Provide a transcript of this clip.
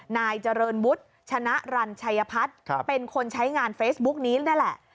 นายเจริญวุฒิชนะรันชัยพัฒน์เป็นคนใช้งานเฟซบุ๊กนี้นี่แหละ